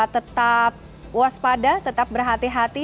tetap waspada tetap berhati hati